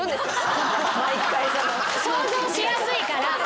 想像しやすいから。